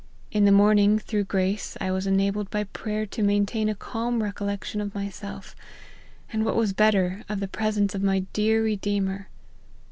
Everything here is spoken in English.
In the morning, through grace, I was enabled by prayer to maintain a calm recollection of my self, and what was better, of the presence of my dear Redeemer.